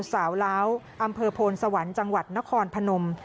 สาวล้าวอำเภอโพนสวรรค์จังหวัดนครพนม